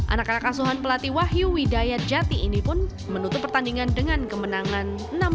anak anak asuhan pelatih wahyu widaya jati ini pun menutup pertandingan dengan kemenangan enam dua lima dua